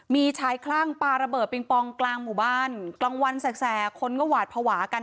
มีชายคลั่งปลาระเบิดปิงปองกลางหมู่บ้านกลางวันแสกคนก็หวาดภาวะกัน